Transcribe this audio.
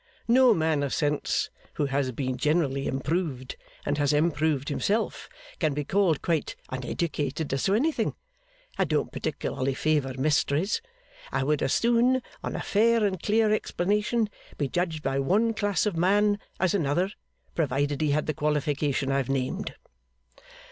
No man of sense who has been generally improved, and has improved himself, can be called quite uneducated as to anything. I don't particularly favour mysteries. I would as soon, on a fair and clear explanation, be judged by one class of man as another, provided he had the qualification I have named.